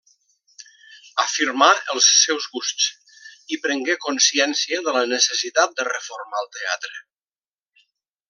Afirmà els seus gusts i prengué consciència de la necessitat de reformar el teatre.